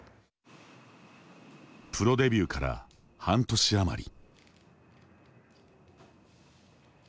プロデビューから半年余り。